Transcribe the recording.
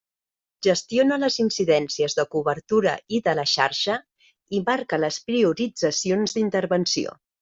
Gestiona les incidències de cobertura i de la xarxa i marca les prioritzacions d'intervenció.